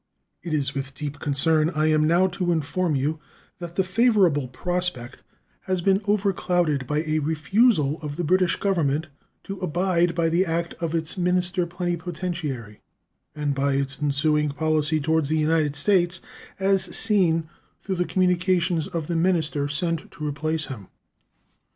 It is with deep concern I am now to inform you that the favorable prospect has been over clouded by a refusal of the British Government to abide by the act of its minister plenipotentiary, and by its ensuing policy toward the United States as seen through the communications of the minister sent to replace him.